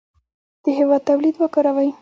د هېواد تولیدات وکاروئ.